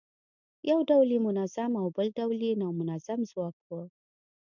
یو ډول یې منظم او بل ډول یې نامنظم ځواک و.